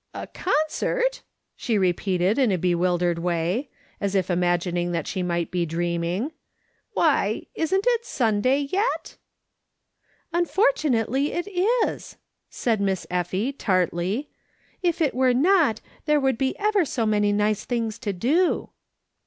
"A concert !" she repeated, in a bewildered way, as if imagining that she might be dreaming. " Why, isn't it Sunday yet V "Unfortunately, it is," said Miss Effie, tartly. " If it were not, there would be ever so many nice things to do."